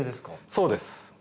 そうです。